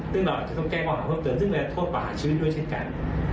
ซึ่งเราอาจจะต้องแก้ความหาความเกลือนซึ่งมีแรงโทษประหาชีวิตด้วยเช่นกัน